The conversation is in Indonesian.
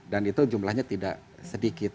dan itu jumlahnya tidak sedikit